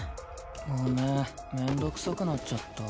ごめん面倒くさくなっちゃった。